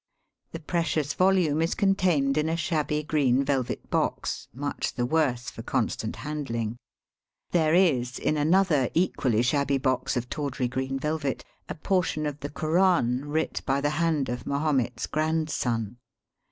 The precious volume is contained Digitized by VjOOQIC 304 EAST BY WEST. in a shabby green velvet box, much the worse for constant handling. There is in another equally shabby box of tawdry green velvet a portion of the Koran writ by the hand of Mahomet's grandson.